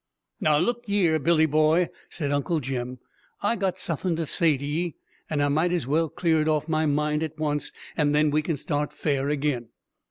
"Now, look yer, Billy boy!" said Uncle Jim; "I got suthin' to say to ye and I might as well clear it off my mind at once, and then we can start fair agin.